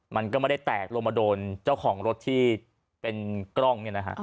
มันก็ไม่ได้แตกลงมาโดนเจ้าของรถที่เป็นกล้องเนี่ยนะฮะ